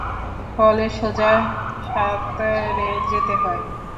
ফলে সোজা সাঁতরে যেতে হত।